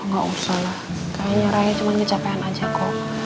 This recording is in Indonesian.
gak usah lah kayaknya raya cuma kecapean aja kok